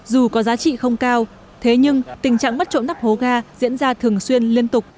dù có giá trị không cao thế nhưng tình trạng mất trộm nắp hố ga diễn ra thường xuyên liên tục